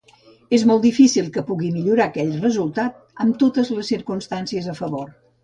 És molt difícil que pugui millorar aquell resultat, amb totes les circumstàncies a favor.